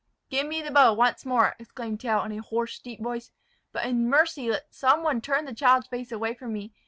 "Give me the bow once more!" exclaimed Tell, in a hoarse, deep voice; "but in mercy let some one turn the child's face away from me.